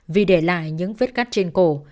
vì để lại những vết gắt trên cổ